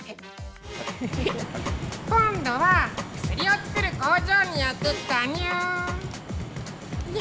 今度は薬を作る工場にやって来たにゅ。